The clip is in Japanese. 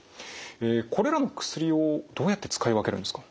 えこれらの薬をどうやって使い分けるんですか？